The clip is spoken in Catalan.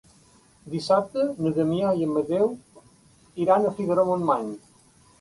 Dissabte na Damià i en Mateu iran a Figaró-Montmany.